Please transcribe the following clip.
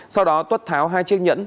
sau đó tuất tháo hai chiếc nhẫn